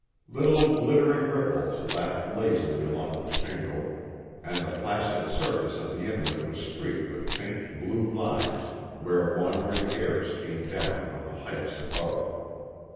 Little glittering ripples lapped lazily along the shingle, and the placid surface of the inlet was streaked with faint blue lines where wandering airs came down from the heights above.